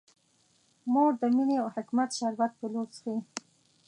مور د مینې او حکمت شربت په لور څښي.